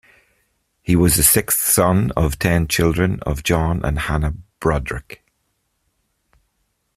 He was the sixth son of ten children of John and Hannah Brodrick.